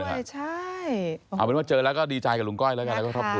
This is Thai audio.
ใช่เอาเป็นว่าเจอแล้วก็ดีใจกับลุงก้อยแล้วกันแล้วก็ครอบครัว